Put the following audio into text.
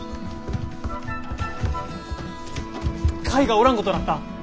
カイがおらんごとなった。